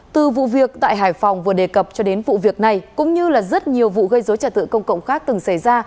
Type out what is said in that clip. từ vụ việc tại hải phòng vừa đề cập cho đến vụ việc này cũng như là rất nhiều vụ gây dối trả tự công cộng khác từng xảy ra